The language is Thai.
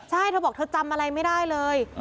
ใช่เธอบอกเธอจำอะไรไม่ได้เลย